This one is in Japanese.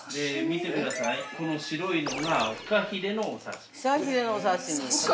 ◆見てください、この白いのがフカヒレのお刺身。